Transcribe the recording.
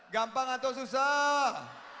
gampang atau susah